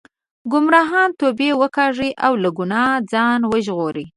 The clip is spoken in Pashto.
ګمراهانو توبې وکاږئ او له ګناه ځان وژغورئ.